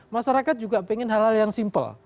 masyarakat juga pengen hal hal yang simpel